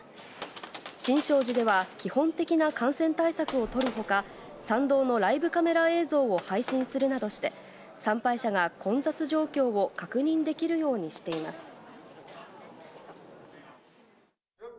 新勝寺では、基本的な感染対策を取るほか、参道のライブカメラ映像を配信するなどして、参拝者が混雑状況を確認できるようにしています。